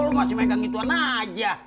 lu masih megang itu aja